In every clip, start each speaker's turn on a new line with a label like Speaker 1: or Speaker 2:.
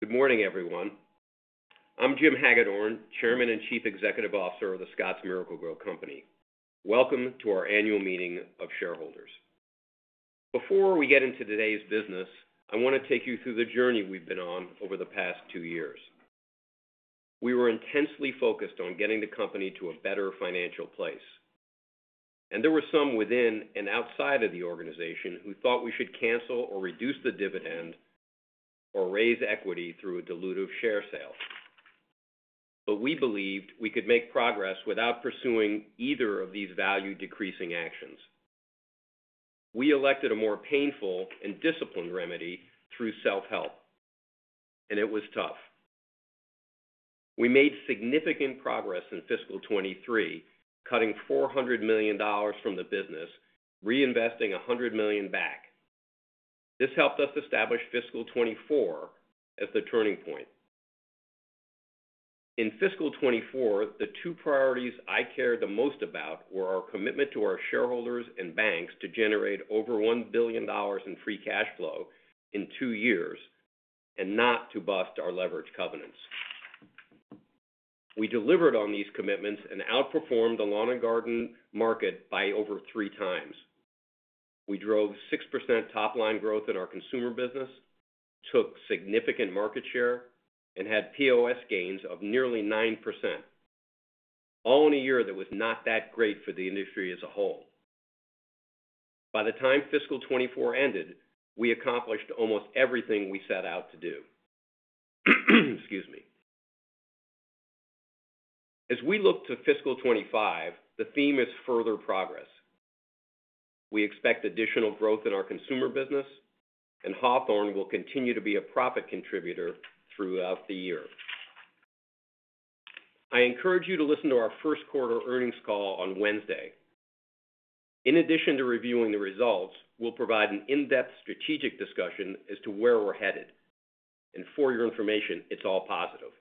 Speaker 1: Good morning, everyone. I'm Jim Hagedorn, Chairman and Chief Executive Officer of The Scotts Miracle-Gro Company. Welcome to our Annual Meeting of Shareholders. Before we get into today's business, I want to take you through the journey we've been on over the past two years. We were intensely focused on getting the company to a better financial place, and there were some within and outside of the organization who thought we should cancel or reduce the dividend or raise equity through a dilutive share sale. But we believed we could make progress without pursuing either of these value-decreasing actions. We elected a more painful and disciplined remedy through self-help, and it was tough. We made significant progress in fiscal 2023, cutting $400 million from the business, reinvesting $100 million back. This helped us establish fiscal 2024 as the turning point. In fiscal 2024, the two priorities I cared the most about were our commitment to our shareholders and banks to generate over $1 billion in free cash flow in two years and not to bust our leverage covenants. We delivered on these commitments and outperformed the lawn-and-garden market by over three times. We drove 6% top-line growth in our consumer business, took significant market share, and had POS gains of nearly 9%, all in a year that was not that great for the industry as a whole. By the time fiscal 2024 ended, we accomplished almost everything we set out to do. Excuse me. As we look to fiscal 2025, the theme is further progress. We expect additional growth in our consumer business, and Hawthorne will continue to be a profit contributor throughout the year. I encourage you to listen to our first quarter earnings call on Wednesday. In addition to reviewing the results, we'll provide an in-depth strategic discussion as to where we're headed, and for your information, it's all positive.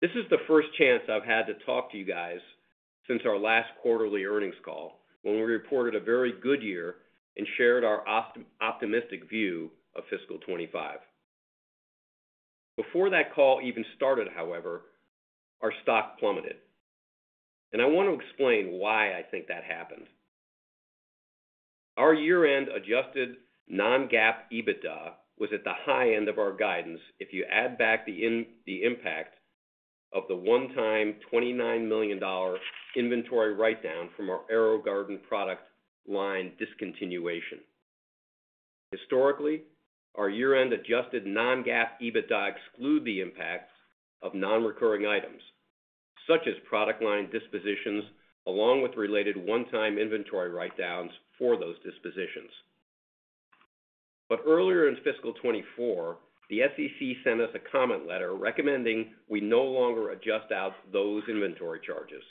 Speaker 1: This is the first chance I've had to talk to you guys since our last quarterly earnings call when we reported a very good year and shared our optimistic view of fiscal 2025. Before that call even started, however, our stock plummeted, and I want to explain why I think that happened. Our year-end adjusted non-GAAP EBITDA was at the high end of our guidance if you add back the impact of the one-time $29 million inventory write-down from our AeroGarden product line discontinuation. Historically, our year-end adjusted non-GAAP EBITDA excluded the impacts of non-recurring items such as product line dispositions, along with related one-time inventory write-downs for those dispositions. But earlier in fiscal 2024, the SEC sent us a comment letter recommending we no longer adjust out those inventory charges.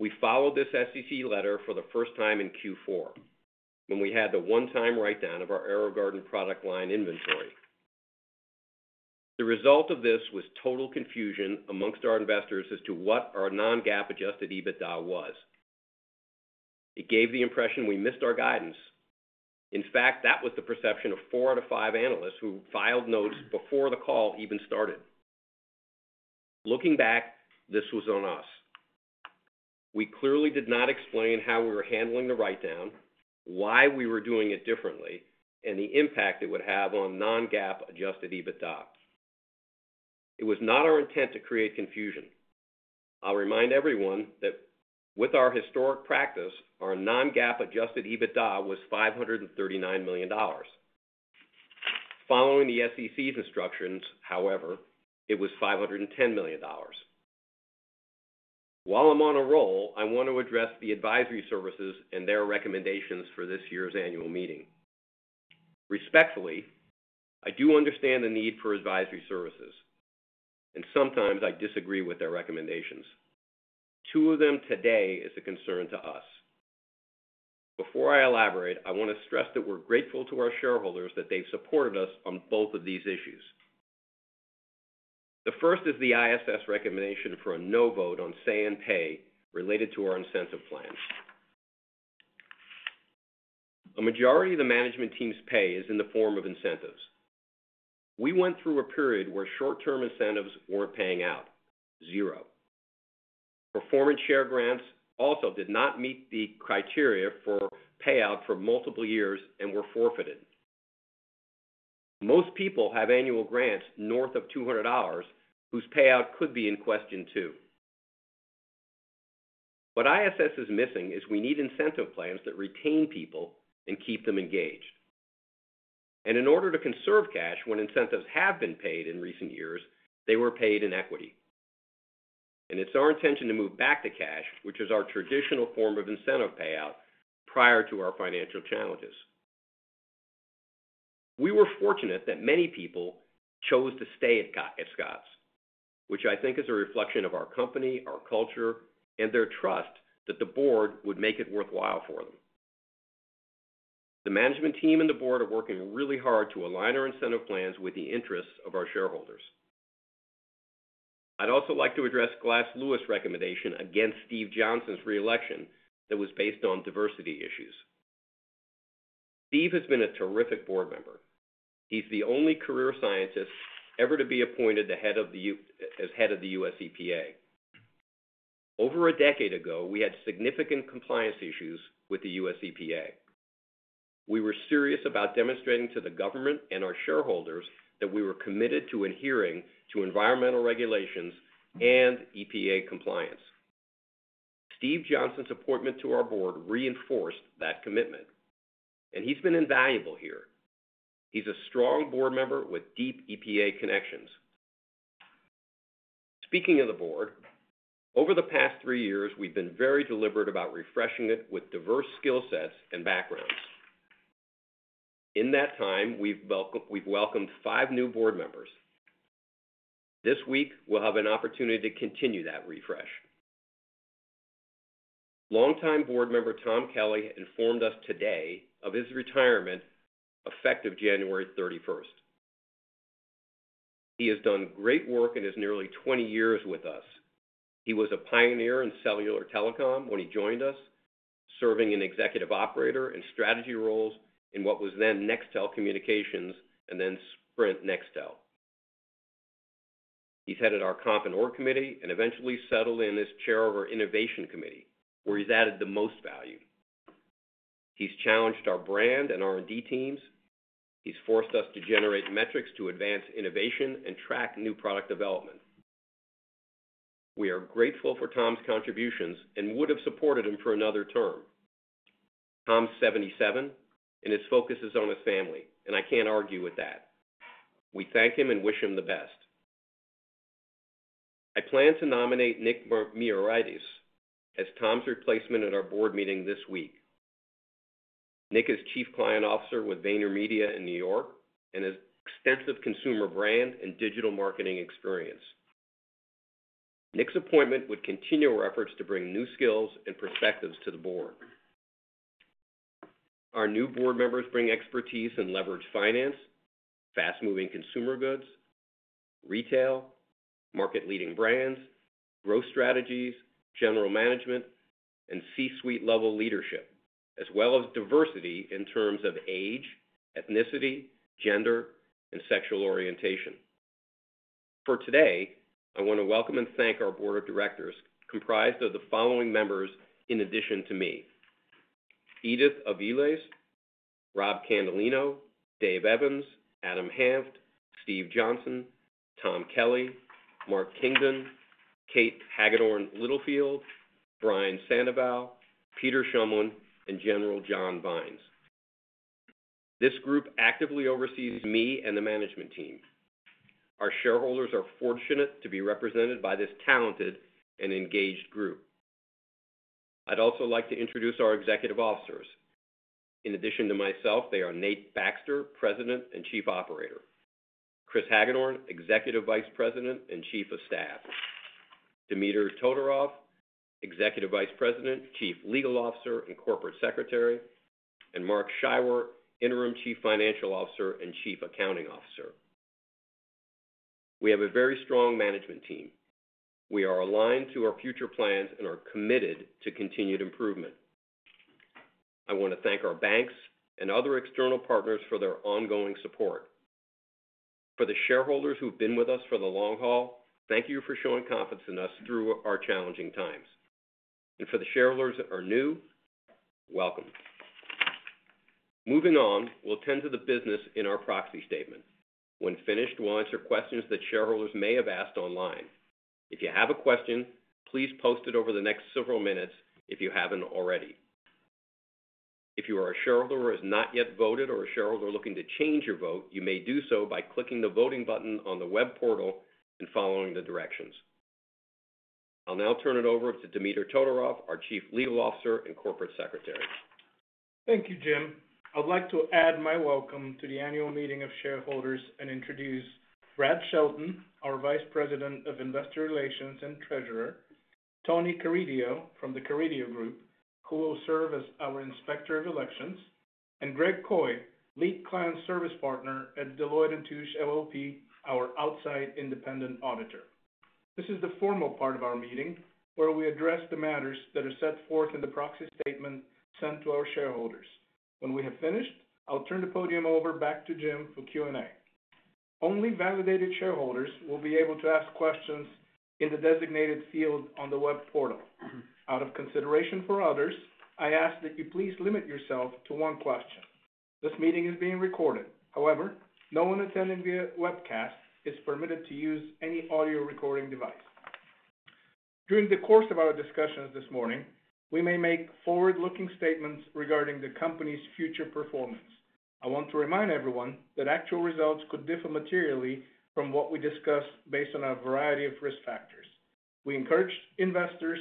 Speaker 1: We followed this SEC letter for the first time in Q4 when we had the one-time write-down of our AeroGarden product line inventory. The result of this was total confusion among our investors as to what our non-GAAP adjusted EBITDA was. It gave the impression we missed our guidance. In fact, that was the perception of four out of five analysts who filed notes before the call even started. Looking back, this was on us. We clearly did not explain how we were handling the write-down, why we were doing it differently, and the impact it would have on non-GAAP adjusted EBITDA. It was not our intent to create confusion. I'll remind everyone that with our historic practice, our non-GAAP adjusted EBITDA was $539 million. Following the SEC's instructions, however, it was $510 million. While I'm on a roll, I want to address the advisory services and their recommendations for this year's annual meeting. Respectfully, I do understand the need for advisory services, and sometimes I disagree with their recommendations. Two of them today are a concern to us. Before I elaborate, I want to stress that we're grateful to our shareholders that they've supported us on both of these issues. The first is the ISS recommendation for a no vote on say-on-pay related to our incentive plan. A majority of the management team's pay is in the form of incentives. We went through a period where short-term incentives weren't paying out, zero. Performance share grants also did not meet the criteria for payout for multiple years and were forfeited. Most people have annual grants north of $200 whose payout could be in question too. What ISS is missing is we need incentive plans that retain people and keep them engaged, and in order to conserve cash when incentives have been paid in recent years, they were paid in equity, and it's our intention to move back to cash, which is our traditional form of incentive payout prior to our financial challenges. We were fortunate that many people chose to stay at Scotts, which I think is a reflection of our company, our culture, and their trust that the board would make it worthwhile for them. The management team and the board are working really hard to align our incentive plans with the interests of our shareholders. I'd also like to address Glass Lewis' recommendation against Steve Johnson's reelection that was based on diversity issues. Steve has been a terrific board member. He's the only career scientist ever to be appointed as head of the U.S. EPA. Over a decade ago, we had significant compliance issues with the U.S. EPA. We were serious about demonstrating to the government and our shareholders that we were committed to adhering to environmental regulations and EPA compliance. Steve Johnson's appointment to our board reinforced that commitment, and he's been invaluable here. He's a strong board member with deep EPA connections. Speaking of the board, over the past three years, we've been very deliberate about refreshing it with diverse skill sets and backgrounds. In that time, we've welcomed five new board members. This week, we'll have an opportunity to continue that refresh. Longtime board member Tom Kelly informed us today of his retirement effective January 31st. He has done great work in his nearly 20 years with us. He was a pioneer in cellular telecom when he joined us, serving in executive operator and strategy roles in what was then Nextel Communications and then Sprint Nextel. He's headed our Comp and Org Committee and eventually settled in as chair of our Innovation Committee, where he's added the most value. He's challenged our brand and R&D teams. He's forced us to generate metrics to advance innovation and track new product development. We are grateful for Tom's contributions and would have supported him for another term. Tom's 77, and his focus is on his family, and I can't argue with that. We thank him and wish him the best. I plan to nominate Nick Miaritis as Tom's replacement at our board meeting this week. Nick is Chief Client Officer with VaynerMedia in New York and has extensive consumer brand and digital marketing experience. Nick's appointment would continue our efforts to bring new skills and perspectives to the board. Our new board members bring expertise in leverage finance, fast-moving consumer goods, retail, market-leading brands, growth strategies, general management, and C-suite-level leadership, as well as diversity in terms of age, ethnicity, gender, and sexual orientation. For today, I want to welcome and thank our board of directors comprised of the following members in addition to me: Edith Avilés, Rob Candelino, Dave Evans, Adam Hanft, Steve Johnson, Tom Kelly, Mark Kingdon, Kate Hagedorn Littlefield, Brian Sandoval, Peter Schuur, and General John Vines. This group actively oversees me and the management team. Our shareholders are fortunate to be represented by this talented and engaged group. I'd also like to introduce our executive officers. In addition to myself, they are Nate Baxter, President and Chief Operating Officer, Chris Hagedorn, Executive Vice President and Chief of Staff, Dimitar Todorov, Executive Vice President, Chief Legal Officer and Corporate Secretary, and Matthew Schwier, Interim Chief Financial Officer and Chief Accounting Officer. We have a very strong management team. We are aligned to our future plans and are committed to continued improvement. I want to thank our banks and other external partners for their ongoing support. For the shareholders who've been with us for the long haul, thank you for showing confidence in us through our challenging times. And for the shareholders that are new, welcome. Moving on, we'll tend to the business in our proxy statement. When finished, we'll answer questions that shareholders may have asked online. If you have a question, please post it over the next several minutes if you haven't already. If you are a shareholder who has not yet voted or a shareholder looking to change your vote, you may do so by clicking the voting button on the web portal and following the directions. I'll now turn it over to Dimitar Todorov, our Chief Legal Officer and Corporate Secretary.
Speaker 2: Thank you, Jim. I'd like to add my welcome to the annual meeting of shareholders and introduce Brad Shelton, our Vice President of Investor Relations and Treasurer, Tony Carideo from the Carideo Group, who will serve as our Inspector of Elections, and Greg Coy, Lead Client Service Partner at Deloitte & Touche LLP, our outside independent auditor. This is the formal part of our meeting where we address the matters that are set forth in the proxy statement sent to our shareholders. When we have finished, I'll turn the podium over back to Jim for Q&A. Only validated shareholders will be able to ask questions in the designated field on the web portal. Out of consideration for others, I ask that you please limit yourself to one question. This meeting is being recorded. However, no one attending via webcast is permitted to use any audio recording device. During the course of our discussions this morning, we may make forward-looking statements regarding the company's future performance. I want to remind everyone that actual results could differ materially from what we discussed based on a variety of risk factors. We encourage investors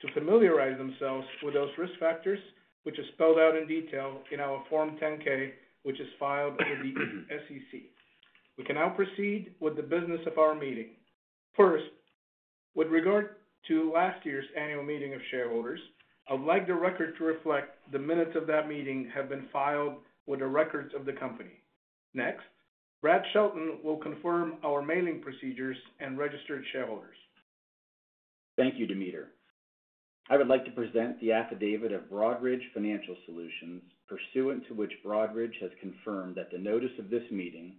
Speaker 2: to familiarize themselves with those risk factors, which are spelled out in detail in our Form 10-K, which is filed with the SEC. We can now proceed with the business of our meeting. First, with regard to last year's annual meeting of shareholders, I'd like the record to reflect the minutes of that meeting have been filed with the records of the company. Next, Brad Shelton will confirm our mailing procedures and registered shareholders.
Speaker 3: Thank you, Dimitar. I would like to present the affidavit of Broadridge Financial Solutions, pursuant to which Broadridge has confirmed that the notice of this meeting,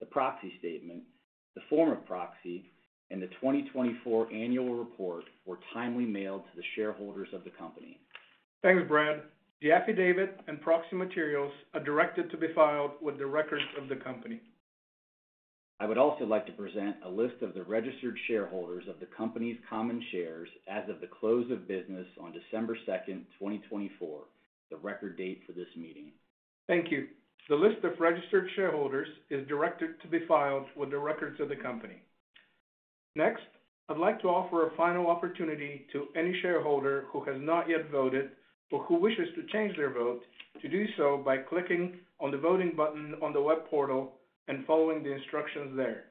Speaker 3: the proxy statement, the form of proxy, and the 2024 annual report were timely mailed to the shareholders of the company.
Speaker 2: Thanks, Brad. The affidavit and proxy materials are directed to be filed with the records of the company.
Speaker 3: I would also like to present a list of the registered shareholders of the company's common shares as of the close of business on December 2nd, 2024, the record date for this meeting.
Speaker 2: Thank you. The list of registered shareholders is directed to be filed with the records of the company. Next, I'd like to offer a final opportunity to any shareholder who has not yet voted or who wishes to change their vote to do so by clicking on the voting button on the web portal and following the instructions there.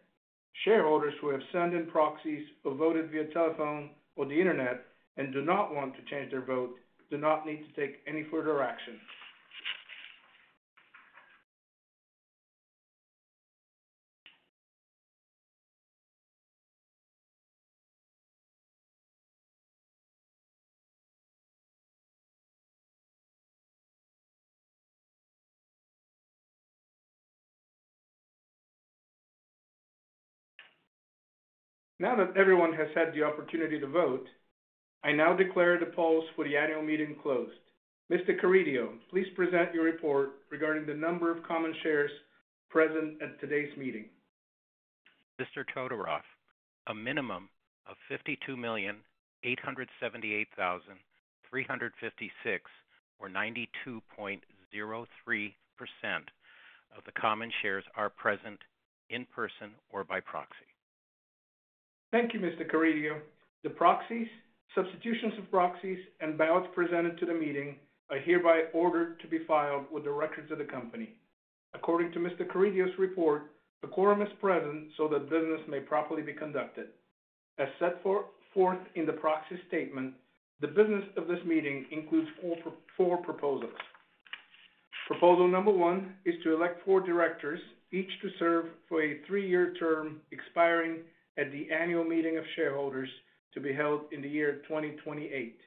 Speaker 2: Shareholders who have sent in proxies or voted via telephone or the internet and do not want to change their vote do not need to take any further action. Now that everyone has had the opportunity to vote, I now declare the polls for the annual meeting closed. Mr. Carideo, please present your report regarding the number of common shares present at today's meeting.
Speaker 4: Mr. Todorov, a minimum of 52,878,356 or 92.03% of the common shares are present in person or by proxy.
Speaker 2: Thank you, Mr. Carideo. The proxies, substitutions of proxies, and ballots presented to the meeting are hereby ordered to be filed with the records of the company. According to Mr. Carideo's report, the quorum is present so that business may properly be conducted. As set forth in the proxy statement, the business of this meeting includes four proposals. Proposal number one is to elect four directors, each to serve for a three-year term expiring at the annual meeting of shareholders to be held in the year 2028.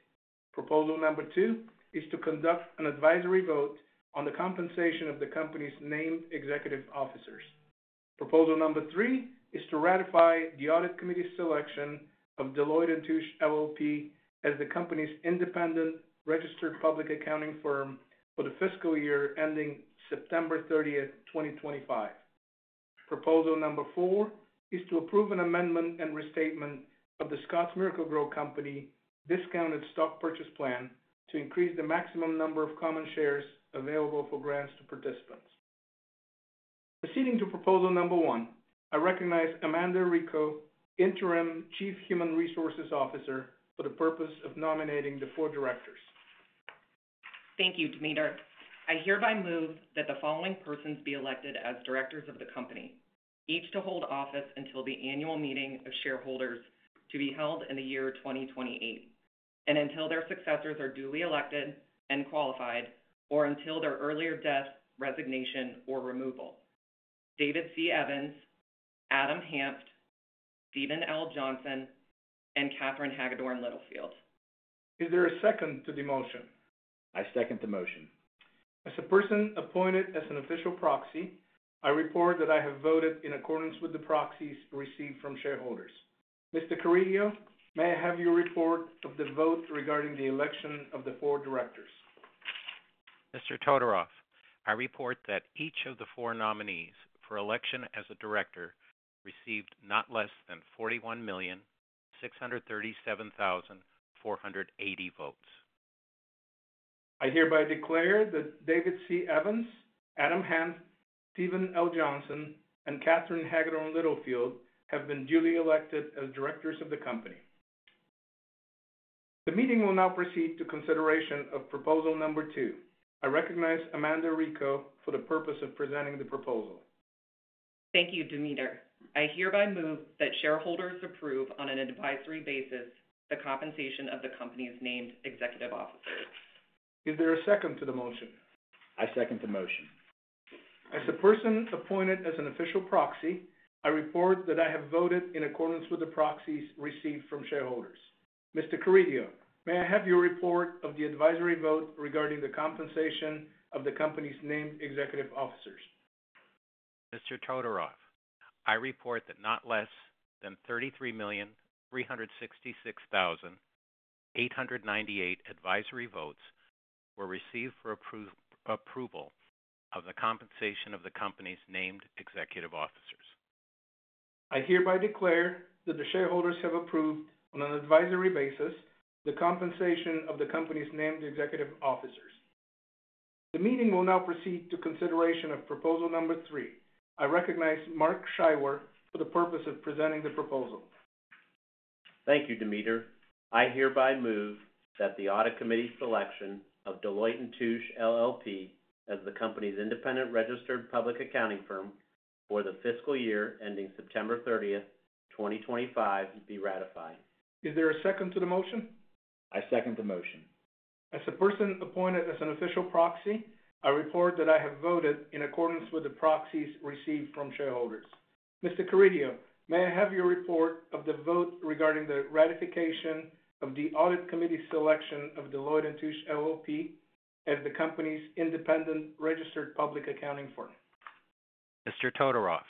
Speaker 2: Proposal number two is to conduct an advisory vote on the compensation of the company's named executive officers. Proposal number three is to ratify the audit committee selection of Deloitte & Touche LLP as the company's independent registered public accounting firm for the fiscal year ending September 30th, 2025. Proposal number four is to approve an amendment and restatement of The Scotts Miracle-Gro Company Discounted Stock Purchase Plan to increase the maximum number of common shares available for grants to participants. Proceeding to proposal number one, I recognize Amanda Rico, Interim Chief Human Resources Officer, for the purpose of nominating the four directors.
Speaker 5: Thank you, Dimitar. I hereby move that the following persons be elected as directors of the company, each to hold office until the annual meeting of shareholders to be held in the year 2028, and until their successors are duly elected and qualified, or until their earlier death, resignation, or removal: David C. Evans, Adam Hanft, Stephen L. Johnson, and Katherine Hagedorn Littlefield.
Speaker 2: Is there a second to the motion?
Speaker 3: I second the motion.
Speaker 2: As a person appointed as an official proxy, I report that I have voted in accordance with the proxies received from shareholders. Mr. Carideo, may I have your report of the vote regarding the election of the four directors?
Speaker 4: Mr. Todorov, I report that each of the four nominees for election as a director received not less than 41,637,480 votes.
Speaker 2: I hereby declare that David C. Evans, Adam Hanft, Stephen L. Johnson, and Katherine Hagedorn-Littlefield have been duly elected as directors of the company. The meeting will now proceed to consideration of proposal number two. I recognize Amanda Rico for the purpose of presenting the proposal.
Speaker 5: Thank you, Dimitar. I hereby move that shareholders approve on an advisory basis the compensation of the company's named executive officers.
Speaker 2: Is there a second to the motion?
Speaker 3: I second the motion.
Speaker 2: As a person appointed as an official proxy, I report that I have voted in accordance with the proxies received from shareholders. Mr. Carideo, may I have your report of the advisory vote regarding the compensation of the company's named executive officers?
Speaker 4: Mr. Todorov, I report that not less than 33,366,898 advisory votes were received for approval of the compensation of the company's named executive officers.
Speaker 2: I hereby declare that the shareholders have approved on an advisory basis the compensation of the company's named executive officers. The meeting will now proceed to consideration of proposal number three. I recognize Matthew Schwier for the purpose of presenting the proposal.
Speaker 6: Thank you, Dimitar. I hereby move that the audit committee selection of Deloitte & Touche LLP as the company's independent registered public accounting firm for the fiscal year ending September 30th, 2025, be ratified.
Speaker 2: Is there a second to the motion?
Speaker 3: I second the motion.
Speaker 2: As a person appointed as an official proxy, I report that I have voted in accordance with the proxies received from shareholders. Mr. Carideo, may I have your report of the vote regarding the ratification of the audit committee selection of Deloitte & Touche LLP as the company's independent registered public accounting firm?
Speaker 4: Mr. Todorov,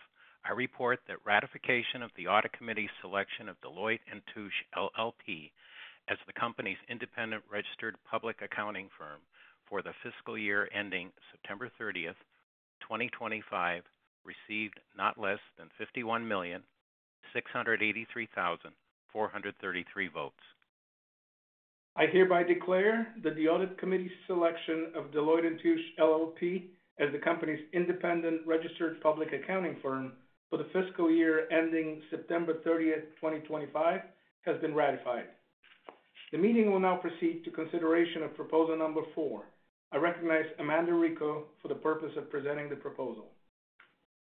Speaker 4: I report that ratification of the audit committee selection of Deloitte & Touche LLP as the company's independent registered public accounting firm for the fiscal year ending September 30th, 2025, received not less than 51,683,433 votes.
Speaker 2: I hereby declare that the audit committee selection of Deloitte & Touche LLP as the company's independent registered public accounting firm for the fiscal year ending September 30th, 2025, has been ratified. The meeting will now proceed to consideration of proposal number four. I recognize Amanda Rico for the purpose of presenting the proposal.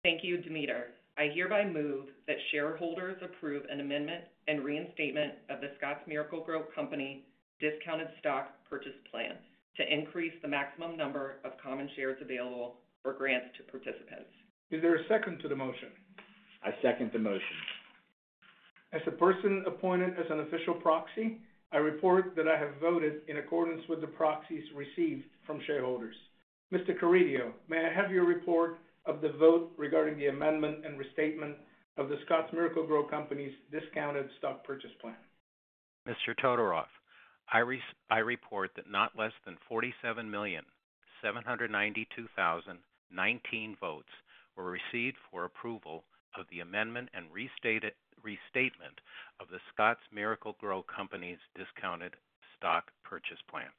Speaker 5: Thank you, Dimitar. I hereby move that shareholders approve an amendment and reinstatement of the Scotts Miracle-Gro Company Discounted Stock Purchase Plan to increase the maximum number of common shares available for grants to participants.
Speaker 2: Is there a second to the motion?
Speaker 3: I second the motion.
Speaker 2: As a person appointed as an official proxy, I report that I have voted in accordance with the proxies received from shareholders. Mr. Carideo, may I have your report of the vote regarding the amendment and restatement of the Scotts Miracle-Gro Company's discounted stock purchase plan?
Speaker 4: Mr. Todorov, I report that not less than 47,792,019 votes were received for approval of the amendment and restatement of The Scotts Miracle-Gro Company's discounted stock purchase plan.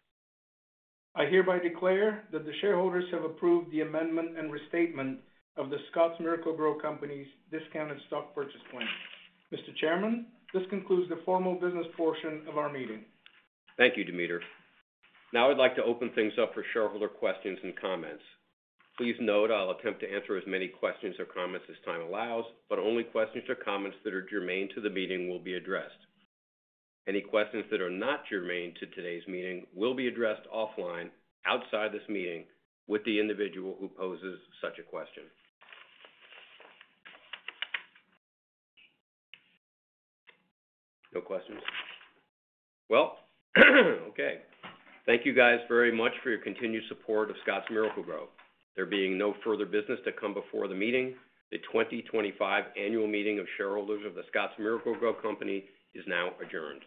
Speaker 2: I hereby declare that the shareholders have approved the amendment and restatement of the Scotts Miracle-Gro Company's Discounted Stock Purchase Plan. Mr. Chairman, this concludes the formal business portion of our meeting.
Speaker 1: Thank you, Dimitar. Now I'd like to open things up for shareholder questions and comments. Please note I'll attempt to answer as many questions or comments as time allows, but only questions or comments that are germane to the meeting will be addressed. Any questions that are not germane to today's meeting will be addressed offline outside this meeting with the individual who poses such a question. No questions? Well, okay. Thank you guys very much for your continued support of Scotts Miracle-Gro. There being no further business to come before the meeting, the 2025 annual meeting of shareholders of the Scotts Miracle-Gro Company is now adjourned.